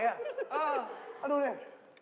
เอาดูนี่